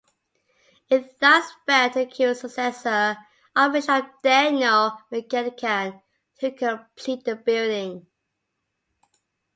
It thus fell to Kieran's successor, Archbishop Daniel McGettigan to complete the building.